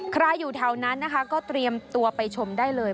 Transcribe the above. อยู่แถวนั้นนะคะก็เตรียมตัวไปชมได้เลย